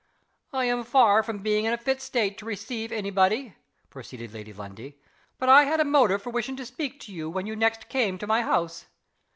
"I am far from being in a fit state to receive any body," proceeded Lady Lundie. "But I had a motive for wishing to speak to you when you next came to my house.